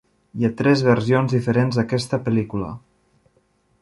Hi ha tres versions diferents d'aquesta pel·lícula.